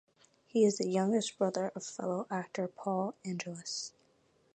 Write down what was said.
He is the younger brother of fellow actor Paul Angelis.